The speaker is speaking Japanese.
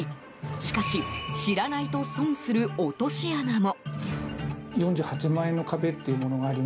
しかし、知らないと損する落とし穴も。